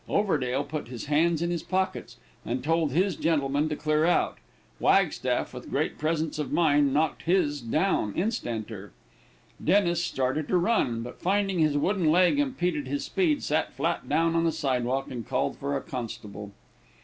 Overdale put his hands on his pockets, and told his gentleman to clear out. Wagstaff, with great presence of mind, knocked his down instanter. Dennis started to run, but finding his wooden leg impeded his speed, sat flat down on the sidewalk and called for a constable.